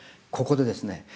ここでですね